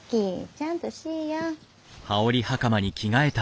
ちゃんとしいや。